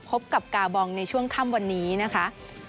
พบกับกาบองในช่วงค่ำวันนี้นะคะ